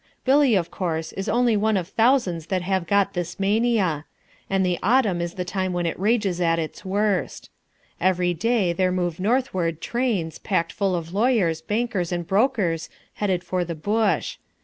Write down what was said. Billy, of course, is only one of thousands that have got this mania. And the autumn is the time when it rages at its worst. Every day there move northward trains, packed full of lawyers, bankers, and brokers, headed for the bush.